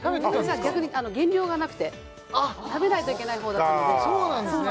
逆に減量がなくて食べないといけない方だったのでそうなんですね